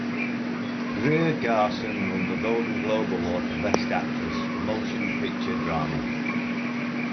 Greer Garson won the Golden Globe Award for Best Actress - Motion Picture Drama.